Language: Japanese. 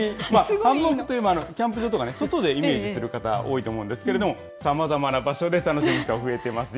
ハンモックといえばキャンプ場とか、外でイメージする方、多いと思うんですけれども、さまざまな場所で楽しむ人が増えてます